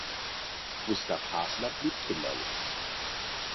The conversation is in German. Gustav Hasler blieb kinderlos.